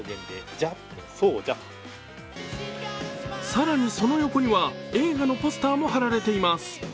更にその横には映画のポスターも貼られています。